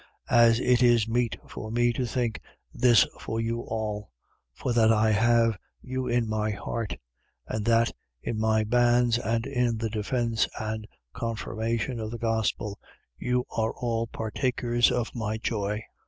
1:7. As it is meet for me to think this for you all, for that I have you in my heart; and that, in my bands and in the defence and confirmation of the gospel, you all are partakers of my joy.